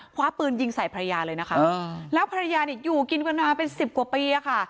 คว้าปืนยิงใส่ภรรยาเลยนะคะแล้วภรรยาเนี่ยอยู่กินกันมาเป็นสิบกว่าปีอะค่ะ